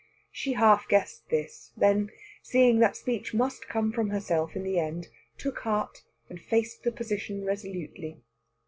She half guessed this; then, seeing that speech must come from herself in the end, took heart and faced the position resolutely.